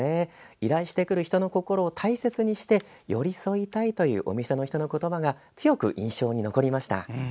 依頼してくる人の心を大切にして寄り添いたいというお店の人の言葉が強く印象に残りました。